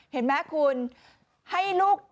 เห็นไหมคุณให้ลูก